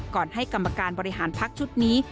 ก่อนให้กรรมการบริหารพักชุดนี้